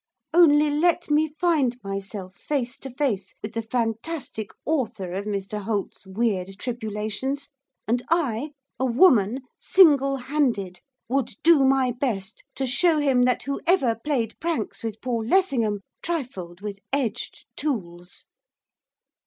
Only let me find myself face to face with the fantastic author of Mr Holt's weird tribulations, and I, a woman, single handed, would do my best to show him that whoever played pranks with Paul Lessingham trifled with edged tools.